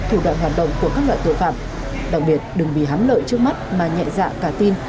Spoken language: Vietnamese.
thủ đoạn hoạt động của các loại tội phạm đặc biệt đừng bị hám lợi trước mắt mà nhẹ dạ cả tin